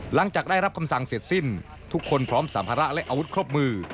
หลังจากได้รับคำสั่งเสร็จสิ้นทุกคนพร้อมสัมภาระและอาวุธครบมือ